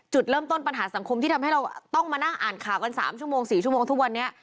จุดเริ่มต้นปัญหาสังคมที่ทำให้เราต้องมานั่งอ่านข่าวกัน๓ชั่วโมง๔ชั่วโมงทุกวันนี้